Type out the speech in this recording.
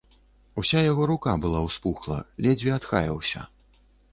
Уся ў яго рука была ўспухла, ледзьве адхаяўся.